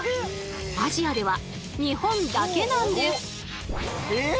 アジアでは日本だけなんです。